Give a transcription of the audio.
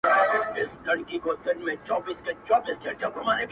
پوهېږم چي زموږه محبت له مينې ژاړي’